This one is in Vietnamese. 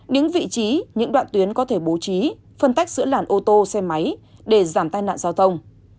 những vị trí những đoạn tuyến có thể bố trí phân tách giữa làn ô tô xe máy để giảm tai nạn giao thông